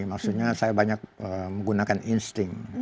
maksudnya saya banyak menggunakan insting